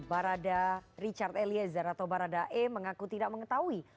barada richard eliezer atau barada e mengaku tidak mengetahui